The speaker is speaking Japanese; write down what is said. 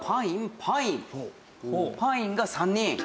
パインが３人。